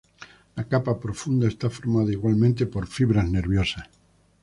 La capa profunda está formada igualmente por fibras nerviosas.